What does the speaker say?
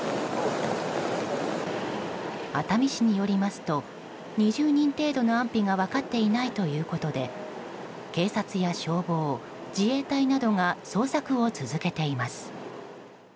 熱海市によりますと２０人程度の安否が分かっていないということで警察や消防、自衛隊などが捜索を続けています。